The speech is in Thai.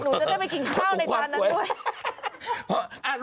หนูจะได้ไปกินข้าวในจานนั้นด้วย